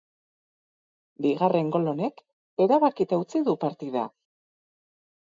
Bigarren gol honek erabakita utzi du partida.